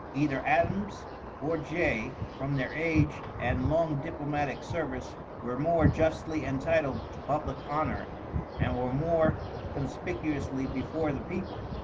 Either Adams or Jay, from their age and long diplomatic service, were more justly entitled to public honor and were more conspicuously before the people.